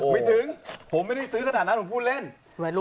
ไม่ถึงผมไม่ได้ซื้อสถานะผมพูดเล่น